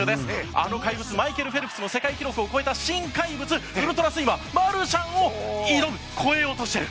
あの怪物マイケル・フェルプスを超えた新怪物ウルトラスイマー、マルシャンを越えようとしている。